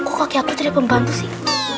kok kaki aku jadi pembantu sih